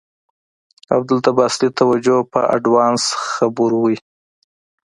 او دلته به اصلی توجه په آډوانس خبرو وی.